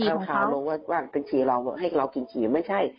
เราข่าวลงว่าฉี่ให้เรากินฉี่ไม่ใช่